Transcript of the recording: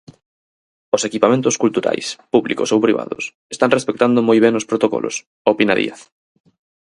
"Os equipamentos culturais, públicos ou privados, están respectando moi ben os protocolos", opina Díaz.